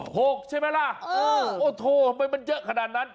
ใช่ไหมล่ะเออโอ้โหทำไมมันเยอะขนาดนั้น